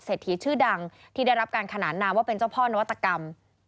ถีชื่อดังที่ได้รับการขนานนามว่าเป็นเจ้าพ่อนวัตกรรม